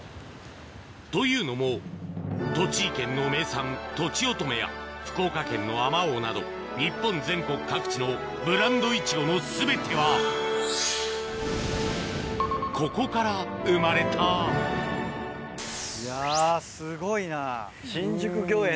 というのも栃木県の名産とちおとめや福岡県のあまおうなど日本全国各地のブランドイチゴの全てはここから生まれたいやすごいな新宿御苑。